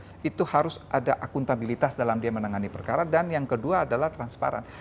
karena itu harus ada akuntabilitas dalam dia menangani perkara dan yang kedua adalah transparan